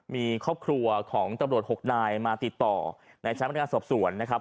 มีครอบครัวของตำรวจ๖นายมาติดต่อในชั้นพนักงานสอบสวนนะครับ